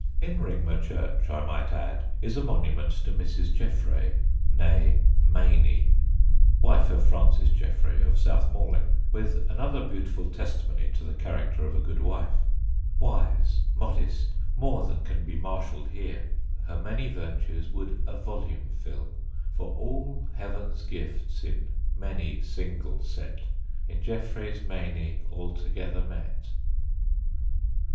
[Sidenote: GODLY WIVES] In Ringmer Church, I might add, is a monument to Mrs. Jeffray (née Mayney), wife of Francis Jeffray of South Malling, with another beautiful testimony to the character of a good wife: Wise, modest, more than can be marshall'd heere, (Her many vertues would a volume fill) For all heaven's gifts in many single sett In Jeffray's Maney altogether mett.